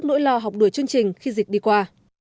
do học đuổi chương trình khi dịch đi qua